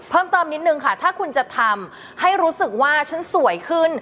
เพิ่มเติมนิดนึงค่ะถ้าคุณจะทำให้รู้สึกว่าฉันสวยขึ้น